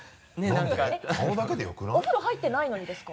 お風呂入ってないのにですか？